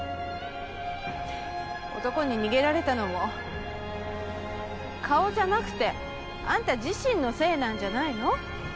男に逃げられたのも顔じゃなくてあんた自身のせいなんじゃないの。